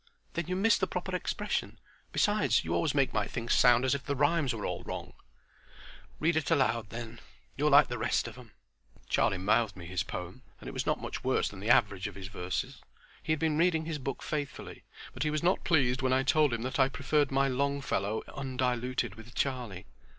"Then you miss the proper expression. Besides, you always make my things sound as if the rhymes were all wrong." "Read it aloud, then. You're like the rest of 'em." Charlie mouthed me his poem, and it was not much worse than the average of his verses. He had been reading his book faithfully, but he was not pleased when I told him that I preferred my Longfellow undiluted with Charlie.